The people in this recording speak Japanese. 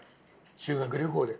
修学旅行で。